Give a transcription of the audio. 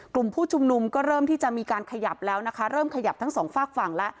กลุ่มผู้ชุมนุมก็เริ่มที่จะมีการขยับแล้วนะคะเริ่มขยับทั้งสองฝากฝั่งแล้ว